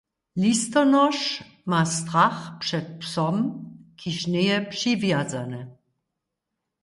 Listonoš ma strach před psom, kiž njeje přiwjazany.